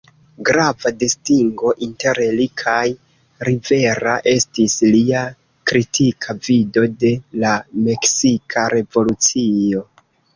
Grava distingo inter li kaj Rivera estis lia kritika vido de la meksika revolucio.